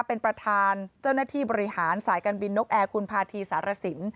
เป็นประธานเจ้าหน้าที่บริหารสายการบินนกแอร์คุณพาธีสารสิน